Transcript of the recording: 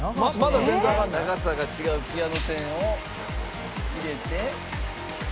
長さが違うピアノ線を入れてさあ。